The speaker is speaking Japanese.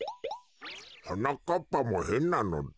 はなかっぱもへんなのだ。